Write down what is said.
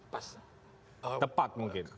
pas tepat mungkin